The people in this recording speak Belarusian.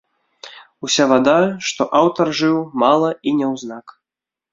Уся вада, што аўтар жыў мала і няўзнак.